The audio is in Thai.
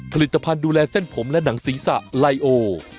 ผลิตภัณฑ์ดูแลเส้นผมและหนังศีรษะไลโอ